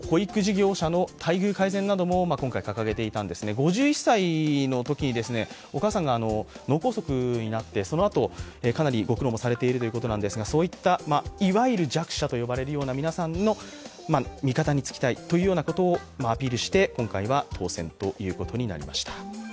５１歳のときにお母さんが脳梗塞になってそのあと、かなりご苦労もされているということですが、そういった、いわゆる弱者と呼ばれるような皆さんの味方に付きたいというようなことをアピールして今回は当選ということになりました。